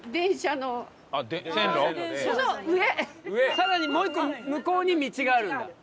更にもう１個向こうに道があるんだ？